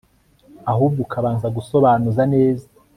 ahubwo ukabanza gusobanuza neza